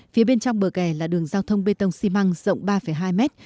phía bên trong bờ kè là đường giao thông bê tông xi măng rộng ba hai mét